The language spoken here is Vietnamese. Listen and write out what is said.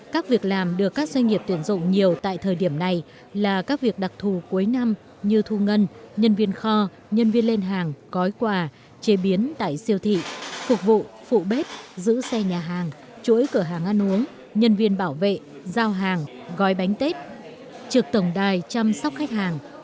các việc làm được các doanh nghiệp tuyển dụng nhiều tại thời điểm này là các việc đặc thù cuối năm như thu ngân nhân viên kho nhân viên lên hàng gói quà chế biến tại siêu thị phục vụ phụ bếp giữ xe nhà hàng chuỗi cửa hàng ăn uống nhân viên bảo vệ giao hàng gói bánh tết trực tổng đài chăm sóc khách hàng